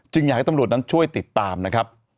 อยากให้ตำรวจนั้นช่วยติดตามนะครับ